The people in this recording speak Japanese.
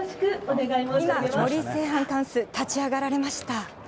今、森清範貫主、立ち上がられました。